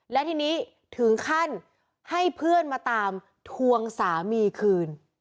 และทีนี้ถึงขั้นให้เพื่อนมาตามทวงสามีคืน